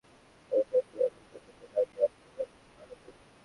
শহর থেকে বিমানবন্দরে যেতে প্রায় ততটাই সময় লাগে যতটা লাগে আটলান্টিক পার হতে।